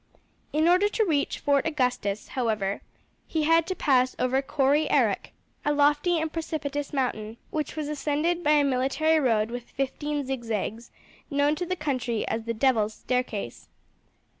In order to reach Fort Augustus, however, he had to pass over Corry Arrack, a lofty and precipitous mountain which was ascended by a military road with fifteen zigzags, known to the country as the devil's staircase.